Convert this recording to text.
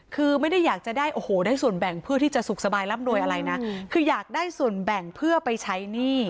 คือไม่ได้อยากจะได้โอ้โหได้ส่วนแบ่งเพื่อที่จะสุขสบายร่ำรวยอะไรนะคืออยากได้ส่วนแบ่งเพื่อไปใช้หนี้